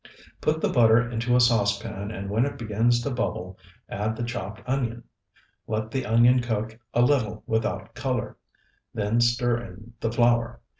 Put the butter into a saucepan, and when it begins to bubble add the chopped onion. Let the onion cook a little without color, then stir in the flour.